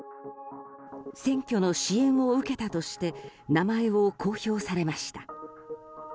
選挙の支援を受けたとして名前を公表されました。